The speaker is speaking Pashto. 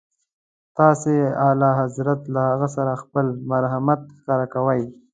تاسي اعلیحضرت له هغې سره خپل مرحمت ښکاره کوئ.